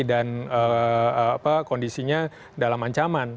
dan kondisinya dalam ancaman